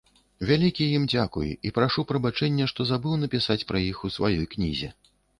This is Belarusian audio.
Вялікі ім дзякуй, і прашу прабачэння, што забыў напісаць пра іх у сваёй кнізе.